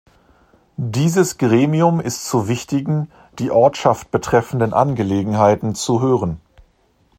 Dieses Gremium ist zu wichtigen, die Ortschaft betreffenden Angelegenheiten zu hören.